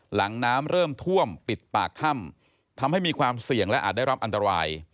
หลังน้ำเริ่มท่วมปิดปากถ้ำทำให้มีความเสี่ยงและอาจได้รับอันตราย